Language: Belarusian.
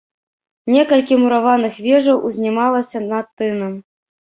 Некалькі мураваных вежаў узнімалася над тынам.